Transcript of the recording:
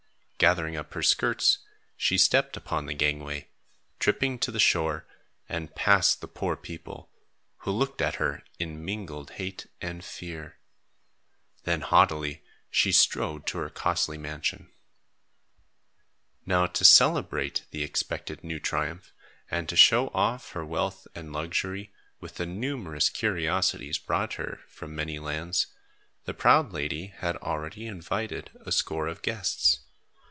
Gathering up her skirts, she stepped upon the gangway, tripping to the shore, and past the poor people, who looked at her in mingled hate and fear. Then haughtily, she strode to her costly mansion. Now to celebrate the expected new triumph and to show off her wealth and luxury, with the numerous curiosities brought her from many lands, the proud lady had already invited a score of guests.